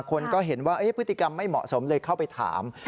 คนก็เห็นว่าพฤติกรรมไม่เหมาะสมเลยเข้าไปถาม